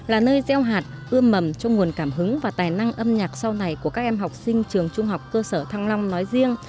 là nơi gieo hạt ưa mầm cho nguồn cảm hứng và tài năng âm nhạc sau này của các em học sinh trường trung học cơ sở thăng long nói riêng